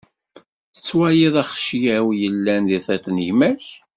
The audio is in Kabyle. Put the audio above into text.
Tettwaliḍ axeclaw yellan di tiṭ n gma-k.